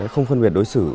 không phân biệt đối xử